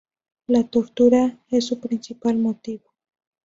La tortura es su principal motivo.